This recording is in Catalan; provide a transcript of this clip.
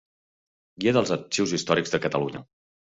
Guia dels arxius històrics de Catalunya.